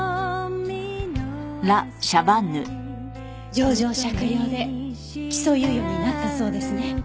情状酌量で起訴猶予になったそうですね。